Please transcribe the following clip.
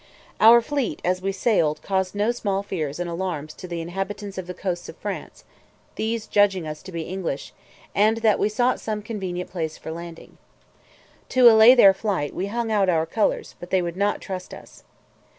Our fleet, as we sailed, caused no small fears and alarms to the inhabitants of the coasts of France, these judging us to be English, and that we sought some convenient place for landing. To allay their fright, we hung out our colours; but they would not trust us.